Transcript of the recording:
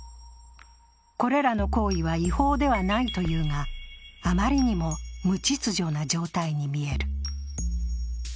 これらの行為は違法ではないというが、あまりにも無秩序な状態に見える。